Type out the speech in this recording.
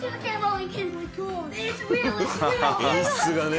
演出がね。